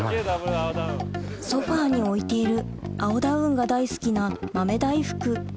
ソファに置いている青ダウンが大好きな豆大福